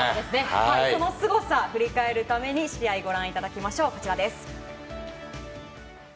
そのすごさを振り返るために試合、ご覧いただきましょう。